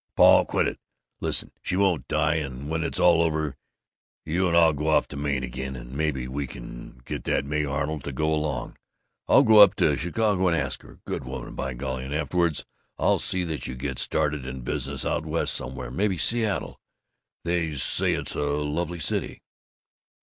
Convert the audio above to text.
"Paul! Quit it! Listen: she won't die, and when it's all over you and I'll go off to Maine again. And maybe we can get that May Arnold to go along. I'll go up to Chicago and ask her. Good woman, by golly. And afterwards I'll see that you get started in business out West somewhere, maybe Seattle they say that's a lovely city."